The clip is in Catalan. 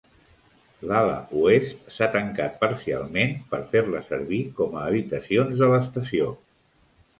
L'ala oest s'ha tancat parcialment per fer-la servir com a habitacions de l'estació.